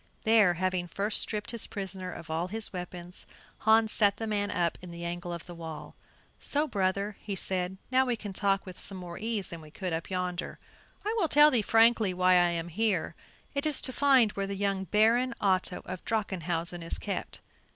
There, having first stripped his prisoner of all his weapons, Hans sat the man up in the angle of the wall. "So, brother;" said he, "now we can talk with more ease than we could up yonder. I will tell thee frankly why I am here; it is to find where the young Baron Otto of Drachenhausen is kept.